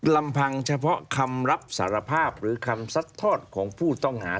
ลำพังเฉพาะคำรับสารภาพหรือคำซัดทอดของผู้ต้องหา